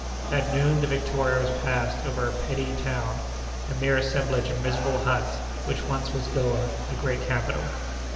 At noon the Victoria was passing over a petty town, a mere assemblage of miserable huts, which once was Goa, a great capital.